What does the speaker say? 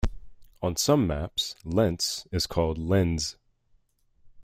On some maps, Lents is called "Lenz".